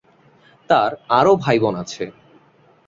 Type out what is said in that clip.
তার আরও ভাই-বোন আছে।